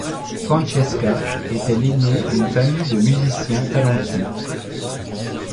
Francesca était l’aînée d’une famille de musiciens talentueux.